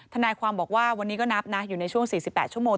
ทนายความบอกว่าวันนี้ก็นับนะอยู่ในช่วง๔๘ชั่วโมง